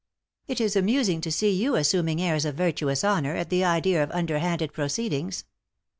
"It is amusing to see you assuming airs of virtuous honour at the idea of underhanded proceedings."